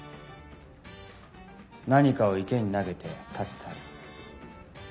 何かを池に投げて立ち去る。